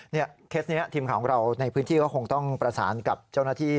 เคสนี้ทีมข่าวของเราในพื้นที่ก็คงต้องประสานกับเจ้าหน้าที่